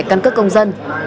căn cứ công dân